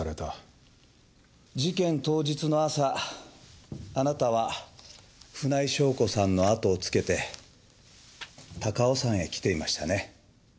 事件当日の朝あなたは船井翔子さんのあとをつけて高尾山へ来ていましたね。